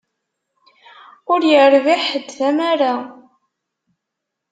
Ur irbiḥ ḥedd tamara.